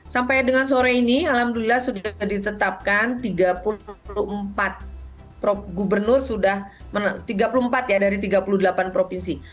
sampai dengan sore ini alhamdulillah sudah ditetapkan tiga puluh empat gubernur sudah tiga puluh empat ya dari tiga puluh delapan provinsi